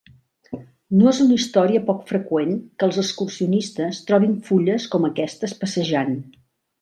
No és una història poc freqüent que els excursionistes trobin fulles com aquestes passejant.